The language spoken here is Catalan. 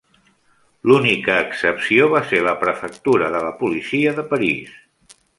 L'única excepció va ser la prefectura de la policia de París.